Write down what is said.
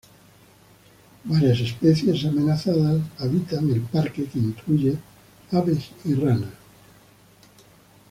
Varias especies amenazadas habitan el parque que incluyen aves y ranas.